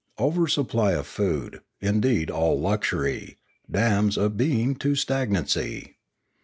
Over supply of food, indeed all luxury, damns a being to stagnancy.